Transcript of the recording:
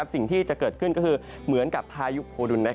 สิ่งที่จะเกิดขึ้นก็คือเหมือนกับพายุโพดุล